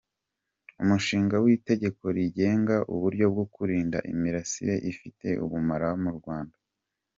Umushinga w’Itegeko rigenga uburyo bwo kurinda imirasire ifite ubumara mu Rwanda.